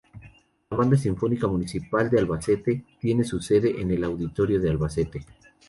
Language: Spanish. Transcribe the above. La Banda Sinfónica Municipal de Albacete tiene su sede en el Auditorio de Albacete.